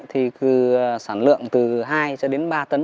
thì sản lượng từ hai cho đến ba tấn